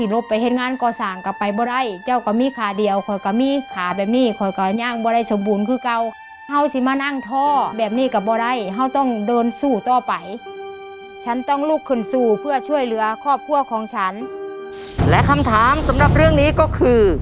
และคำถามสำหรับเรื่องนี้ก็คือ